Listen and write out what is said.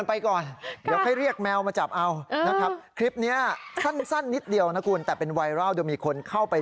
เป็นที่ก็หลักล้านก็หรือเปล่า